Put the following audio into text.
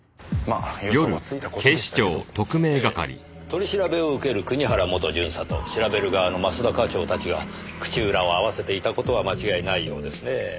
取り調べを受ける国原元巡査と調べる側の益田課長たちが口裏を合わせていた事は間違いないようですね。